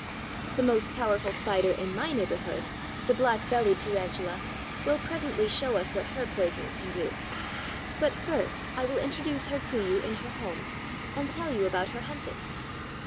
The most powerful Spider in my neighborhood, the Black bellied Tarantula, will presently show us what her poison can do. But first I will introduce her to you in her home, and tell you about her hunting.